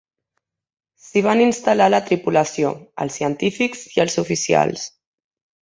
S'hi van instal·lar la tripulació, els científics i els oficials.